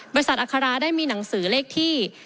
บริษัทอัครราชได้มีหนังสือเลขที่